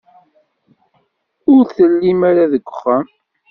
Ur tellim ara deg uxxam.